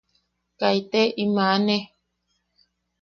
¡Kaite im aane!